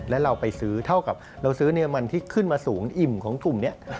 แล้วเราไปซื้อเท่ากับเราซื้อเนี่ยมันที่ขึ้นมาสูงอิ่มของถุงนี้